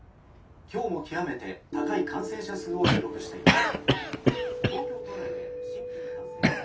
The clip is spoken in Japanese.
今日も極めて高い感染者数を記録しています」。